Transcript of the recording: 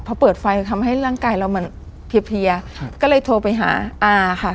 พอเปิดไฟทำให้ร่างกายเรามันเพียก็เลยโทรไปหาอาค่ะ